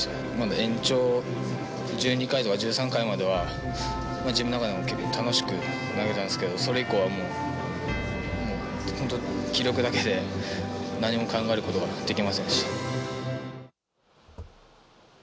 延長１２回とか１３回までは自分の中でも楽しく投げたんですけどそれ以降は気力だけで、もう何も考えることができませんでした。